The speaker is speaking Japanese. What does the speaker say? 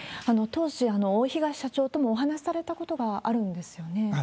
当時、大東社長ともお話しされたことがあるんですよね？